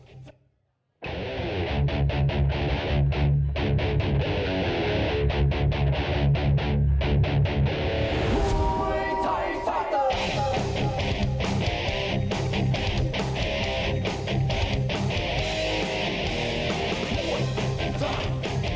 นักชกมัน๖๘ไฟล์ชนะ๔๖ไฟล์และแพ้๒๒ไฟล์ครับ